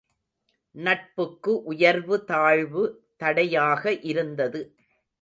நட்புக்கு உயர்வு தாழ்வு தடையாக இருந்தது.